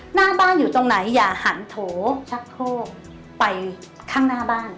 หน้าบ้านอยู่ตรงไหนอย่าหันโถชักโครกไปข้างหน้าบ้าน